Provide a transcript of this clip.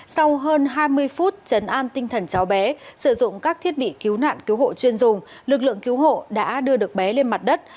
sau hơn hai mươi phút chấn an tinh thần cháu bé sử dụng các thiết bị cứu nạn cứu hộ chuyên dùng lực lượng cứu hộ đã đưa được bé lên mặt đất